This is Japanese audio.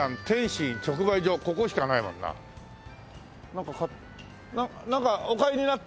なんか買っなんかお買いになった？